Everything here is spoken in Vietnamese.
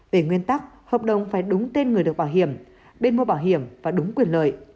về nguyên tắc hợp đồng phải đúng tên người được bảo hiểm bên mua bảo hiểm và đúng quyền lợi